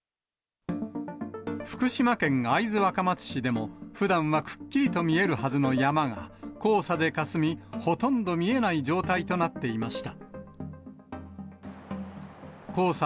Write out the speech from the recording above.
福島県会津若松市でも、ふだんはくっきりと見えるはずの山が黄砂でかすみ、ほとんど見えない状態となっていました。